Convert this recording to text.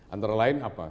antara lain apa